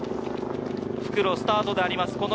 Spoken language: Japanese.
復路スタートであります。